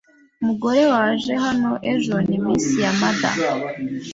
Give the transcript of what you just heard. Umugore waje hano ejo ni Miss Yamada.